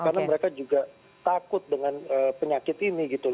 karena mereka juga takut dengan penyakit ini gitu